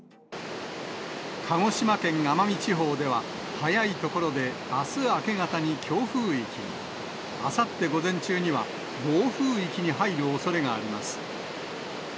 鹿児島県奄美地方では、早い所であす明け方に強風域に、あさって午前中には暴風域に入るおそれがあります。